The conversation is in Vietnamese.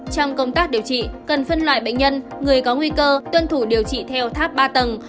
trong công tác điều trị cần phân loại bệnh nhân người có nguy cơ tuân thủ điều trị theo tháp ba tầng